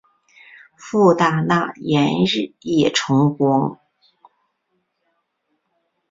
父大纳言日野重光。